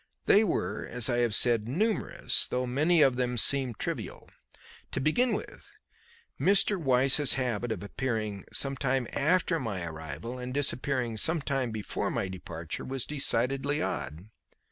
They were, as I have said, numerous, though many of them seemed trivial. To begin with, Mr. Weiss's habit of appearing some time after my arrival and disappearing some time before my departure was decidedly odd.